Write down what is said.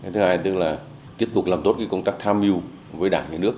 thứ hai tức là tiếp tục làm tốt cái công tác tham mưu với đảng và nhà nước